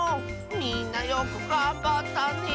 みんなよくがんばったね。